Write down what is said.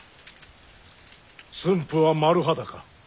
駿府は丸裸